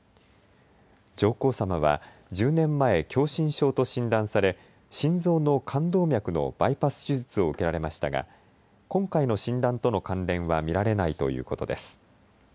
上皇さまは１０年前、狭心症と診断され心臓の冠動脈のバイパス手術を受けられましたが今回の診断との関連は見られないということです。